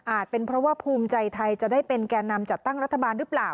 เป็นเพราะว่าภูมิใจไทยจะได้เป็นแก่นำจัดตั้งรัฐบาลหรือเปล่า